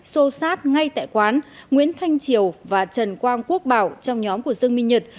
xô xát ngay tại quán nguyễn thanh triều và trần quang quốc bảo trong nhóm của dương minh nhật